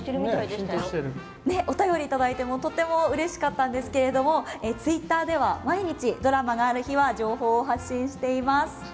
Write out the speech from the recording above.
お便りいただいてとってもうれしかったんですけれどもツイッターでは毎日ドラマがある日は情報を発信しています。